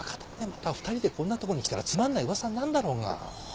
また２人でこんなとこに来たらつまんない噂になんだろうが。